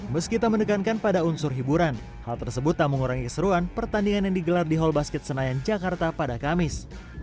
meskipun mendekankan pada unsur hiburan hal tersebut tak mengurangi keseruan pertandingan yang digelar di hall basket senayan jakarta pada kamis